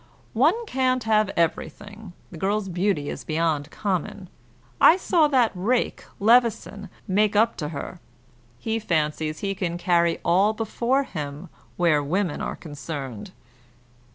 "One can't have everything; the girl's beauty is beyond common. I saw that rake, Levison, make up to her. He fancies he can carry all before him, where women are concerned."